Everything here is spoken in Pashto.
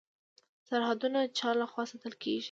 سرحدونه چا لخوا ساتل کیږي؟